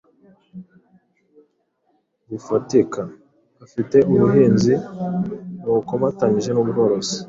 bufatika. Afite ubuhinzi bukomatanyije n’ubworozi